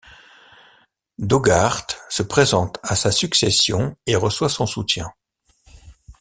Daugaard se présente à sa succession et reçoit son soutien.